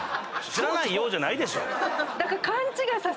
「知らないよ」じゃないでしょ。